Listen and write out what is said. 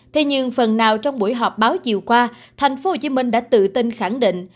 thế nhưng phần nào trong buổi họp báo chiều qua tp hcm đã tự tin khẳng định